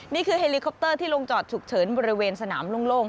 เฮลิคอปเตอร์ที่ลงจอดฉุกเฉินบริเวณสนามโล่ง